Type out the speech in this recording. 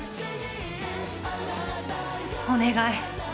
お願い